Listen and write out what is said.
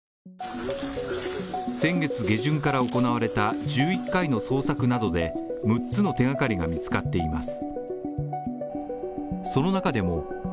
先月下旬から行われた１１回の捜索などで６つの手がかりが見つかっています。